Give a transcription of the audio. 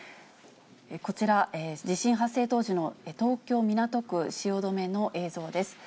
こちら、地震発生当時の東京・港区汐留の映像です。